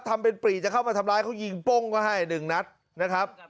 ทำเป็นปรีจะเข้ามาทำร้ายเขายิงโป้งก็ให้หนึ่งนัดนะครับ